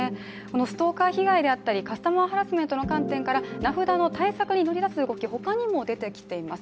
ストーカー被害であったりカスタマーハラスメントの観点から名札の対策に乗り出す動き、他にも出てきています。